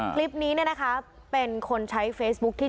คลิปนี้นะค้าเป็นคนใช้เฟซบุคเรียงไกรไทออน